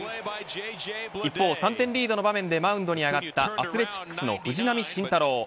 一方、３点リードの場面でマウンドに上がったアスレチックスの藤浪晋太郎。